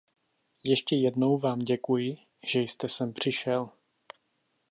Ještě jednou vám děkuji, že jste sem přišel.